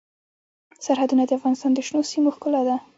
سرحدونه د افغانستان د شنو سیمو ښکلا ده.